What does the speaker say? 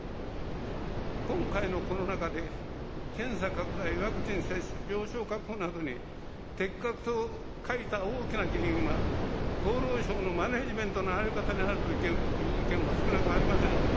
今回のコロナ禍で、検査拡大、ワクチン接種、病床確保などに、的確さを欠いた大きな原因は、厚労省のマネージメントの在り方にあるという意見も少なくありません。